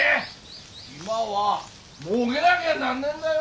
今はもうげなぎゃなんねえんだよ